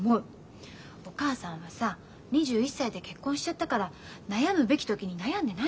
お母さんはさ２１歳で結婚しちゃったから悩むべき時に悩んでないのよ。